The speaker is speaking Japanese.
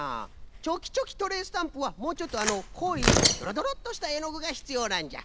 ちょきちょきトレースタンプはもうちょっとこいドロドロッとしたえのぐがひつようなんじゃ。